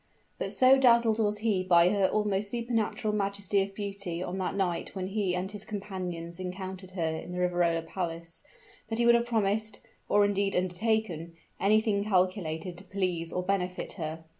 But so dazzled was he by her almost supernatural majesty of beauty on that night when he and his companions encountered her in the Riverola palace, that he would have promised, or indeed undertaken, anything calculated to please or benefit her.